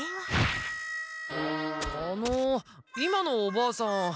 あの今のおばあさん